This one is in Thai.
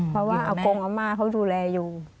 เพราะว่ากรุงเขามาเขาดูแลอยู่